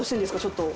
ちょっと。